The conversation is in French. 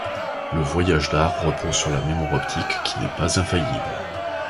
Le voyage d'art repose sur la mémoire optique qui n'est pas infaillible.